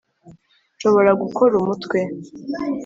nshobora gukora umutwe